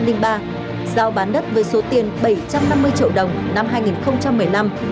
giao bán đất với số tiền bảy trăm năm mươi triệu đồng năm hai nghìn một mươi năm